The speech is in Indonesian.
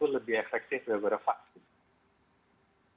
lebih efektif daripada vaksin